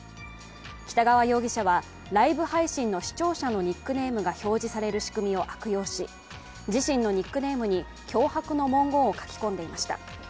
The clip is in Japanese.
北川容疑者は、ライブ配信の視聴者のニックネームが表示される仕組みを悪用し、自身のニックネームに脅迫の文言を書き込んでいました。